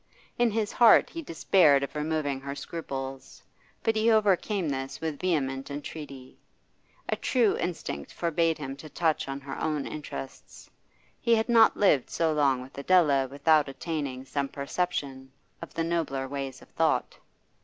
In his heart he despaired of removing her scruples, but he overcame this with vehement entreaty. A true instinct forbade him to touch on her own interests; he had not lived so long with Adela without attaining some perception of the nobler ways of thought.